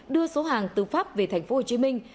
giao hàng từ pháp về thành phố hồ chí minh